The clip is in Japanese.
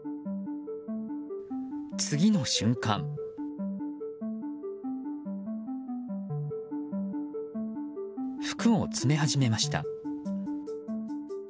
次の瞬間、服を詰め始めました。